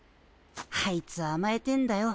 あいつあまえてんだよ。